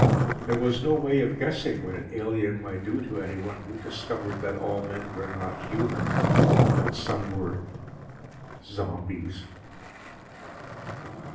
There was no way of guessing what an alien might do to anyone who discovered that all men were not human that some were ... zombies.